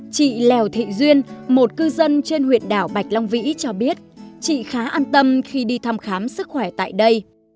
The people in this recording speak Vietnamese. chị lèo thị duyên một cư dân trên huyện đảo bạch long vĩ cho biết chị khá an tâm khi đi thăm khám sức khỏe tại đây